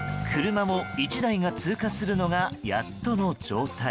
車も１台が通過するのがやっとの状態。